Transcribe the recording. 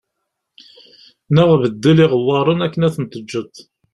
Neɣ beddel iɣewwaṛen akken ad ten-teǧǧeḍ